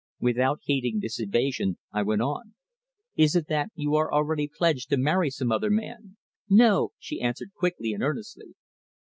Without heeding this evasion I went on "Is it that you are already pledged to marry some other man?" "No," she answered, quickly and earnestly.